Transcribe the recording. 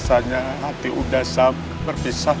saya sudah pulang